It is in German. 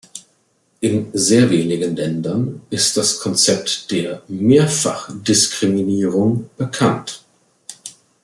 In sehr wenigen Ländern ist das Konzept der Mehrfachdiskriminierung bekannt.